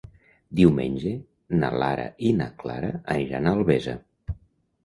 Diumenge na Lara i na Clara aniran a Albesa.